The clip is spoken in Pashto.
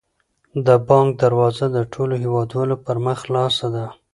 د بانک دروازه د ټولو هیوادوالو پر مخ خلاصه ده.